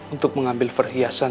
untuk mengambil perhiasan